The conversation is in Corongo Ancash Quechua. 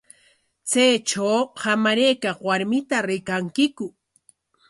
¿Chaytraw hamaraykaq warmita rikankiku?